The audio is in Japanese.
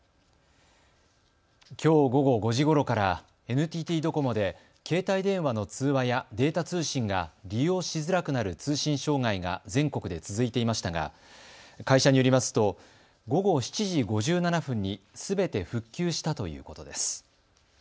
きょう午後５時ごろからＮＴＴドコモで携帯電話の通話やデータ通信が利用しづらくなる通信障害が全国で続いていましたが会社によりますと午後７時５７分にすべて復旧したということです。